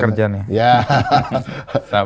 kemudian ada yang berkata